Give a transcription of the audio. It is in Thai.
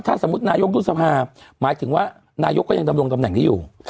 ถ้าสมมุตินายกรุษภาหมายถึงว่านายกก็ยังดำรงตำแหน่งนี้อยู่